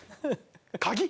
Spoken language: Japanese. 鍵！？